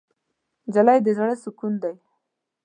نجلۍ د زړه سکون دی.